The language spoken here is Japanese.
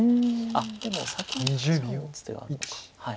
あっでも先に打つ手はあるのか。